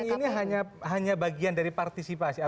ini hanya bagian dari partisipasi